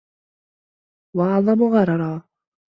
وَأَعْظَمُ غَرَرًا